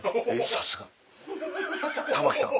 さすが玉木さん。